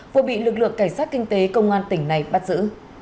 vừa bị lực lượng cảnh sát kinh tế công an tỉnh này bắt giữ